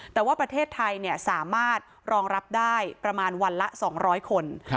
แต่ว่าประเทศไทยสามารถรองรับได้ประมาณวันละ๒๐๐คน